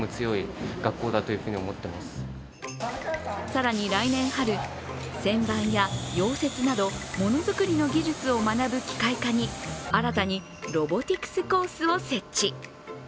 更に来年春、旋盤や溶接などものづくりの技術を学ぶ機械科に新たにロボティクスコースを設置。